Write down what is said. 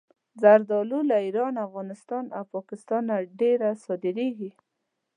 زردالو له ایران، افغانستان او پاکستانه ډېره صادرېږي.